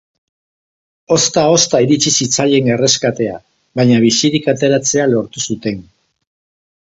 Ozta-ozta iritsi zitzaien erreskatea, baina bizirik ateratzea lortu zuten.